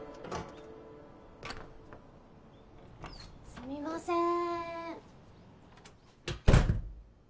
すみません。